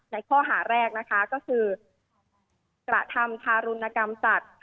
ในข้อหาแรกนะคะก็คือกระทำทารุณกรรมสัตว์